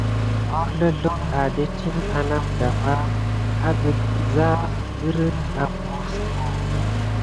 Horzlozloŋ adetine anamdaba agate kusan dirick abosuko.